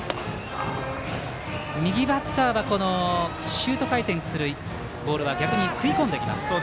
右バッターはシュート回転するボールが逆に食い込んできます。